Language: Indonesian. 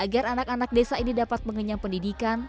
agar anak anak desa ini dapat mengenyam pendidikan